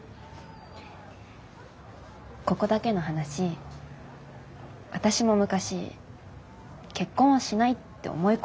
ここだけの話私も昔結婚はしないって思い込んでたの。